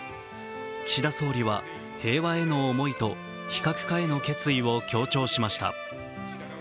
岸田総理は平和への思いと非核化への決意を強調しました。